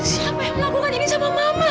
siapa yang melakukan ini sama mama